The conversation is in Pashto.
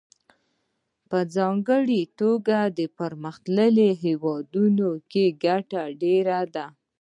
په ځانګړې توګه په پرمختللو هېوادونو کې ګټه ډېره ده